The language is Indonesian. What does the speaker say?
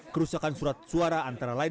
kerusakan surat suara antara lain